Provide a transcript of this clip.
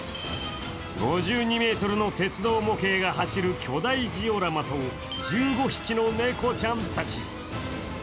５２ｍの鉄道模型が走る巨大ジオラマと１５匹の猫ちゃんたち。